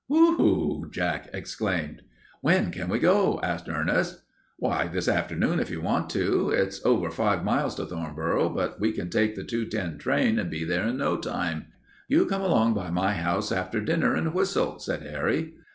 "Whew!" Jack exclaimed. "When can we go?" asked Ernest. "Why, this afternoon, if you want to. It's over five miles to Thornboro, but we can take the 2:10 train and be there in no time. You come along by my house after dinner and whistle," said Harry.